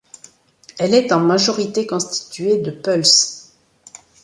Elle est en majorité constituée de Peuls.